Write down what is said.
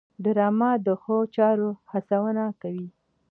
ډرامه د ښو چارو هڅونه کوي